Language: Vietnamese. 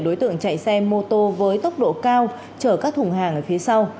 đối tượng chạy xe mô tô với tốc độ cao chở các thùng hàng ở phía sau